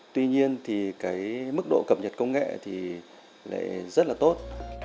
tuy nhiên thì cái mức độ cập nhật công nghệ thì lại rất là tốt